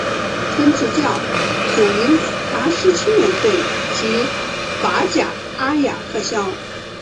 曾执教祖云达斯青年队及法甲阿雅克肖。